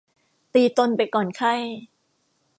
ตีตนไปก่อนไข้